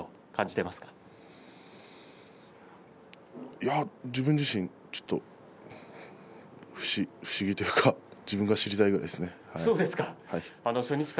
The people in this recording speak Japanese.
いや、自分自身ちょっと不思議というか自分が知りたいぐらいですね。